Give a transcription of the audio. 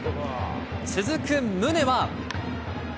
続く宗は。